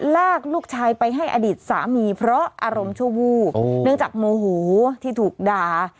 ลากลูกชายไปให้อดีตสามีเพราะอารมณ์ชั่ววูบเนื่องจากโมโหที่ถูกด่า